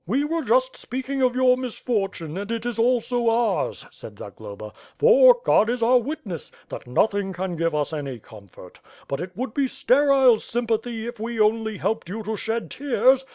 "We were just speaking of your misfortune, and it is also ours," said Zagloba, "for, God is our witness, that nothing can give us any comfort. But it would be sterile sympathy if we only helped you to shed tears.